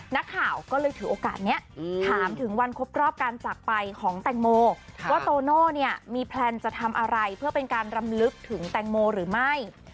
นักข่าวก็เลยถือโอกาสนี้ถามถึงวันครบรอบการจากไปของแตงโมว่าโตโน่เนี่ยมีแพลนจะทำอะไรเพื่อเป็นการรำลึกถึงแตงโมหรือไม่